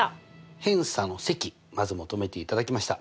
偏差の積まず求めていただきました。